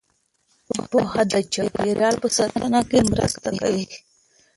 پوهه د چاپیریال په ساتنه کې مرسته کوي.